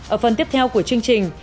ở phần tiếp theo của chương trình